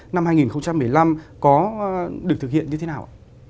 năm hai nghìn một mươi năm có được thực hiện như thế nào ạ